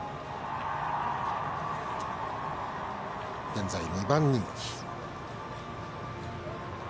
現在２番人気。